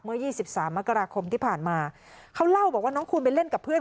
๒๓มกราคมที่ผ่านมาเขาเล่าบอกว่าน้องคูณไปเล่นกับเพื่อน